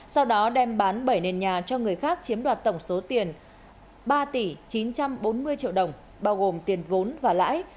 sau đó đem bán bảy nền nhà cho người khác chiếm đoạt tổng số tiền ba tỷ chín trăm bốn mươi triệu đồng bao gồm tiền vốn và lãi